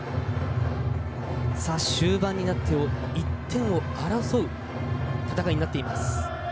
終盤になって１点を争う戦いになっています。